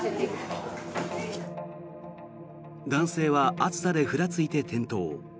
男性は暑さでふらついて転倒。